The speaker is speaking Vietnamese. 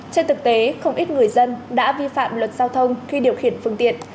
trên thực tế không ít người dân đã vi phạm luật giao thông khi điều khiển phương tiện